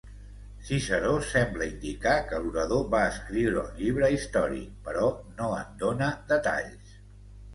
Ciceró sembla indicar que l'orador va escriure un llibre històric però no en dóna detalls.